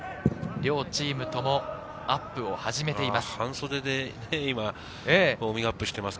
両チームともアップを始めています。